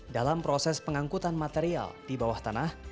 dalam proses pengangkutan material di bawah tanah